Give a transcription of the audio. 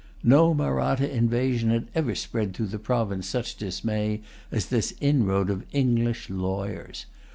No Mahratta invasion had ever spread through the province such dismay as this inroad of English lawyers.